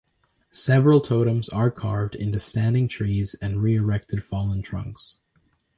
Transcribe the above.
Several totems are carved into standing trees and re-erected fallen trunks.